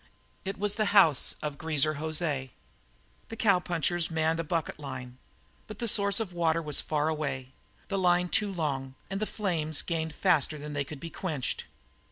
It was the house of Greaser José. The cowpunchers manned a bucket line, but the source of water was far away, the line too long, and the flames gained faster than they could be quenched.